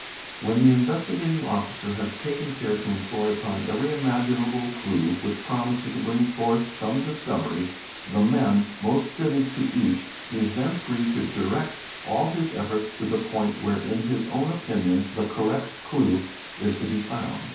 When the Investigating Officer has taken care to employ upon every imaginable clue which promises to bring forth some discovery the men most fitted to each, he is then free to direct all his efforts to the point where in his own opinion the correct clue is to be found.